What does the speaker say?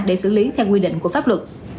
để xử lý theo quy định của pháp luật